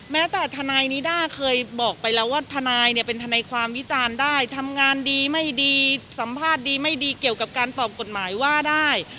แม้แต่ทนายนิด้าเคยบอกไปแล้วว่าทนายเนี่ยเป็นทนายความวิจารณ์ได้ทำงานดีไม่ดีสัมภาษณ์ดีไม่ดีเกี่ยวกับการตอบกฎหมายว่าได้